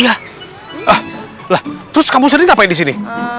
ah lah terus kamu sering ngapain disini